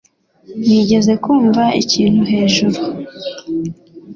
Nigeze kumva ikintu hejuru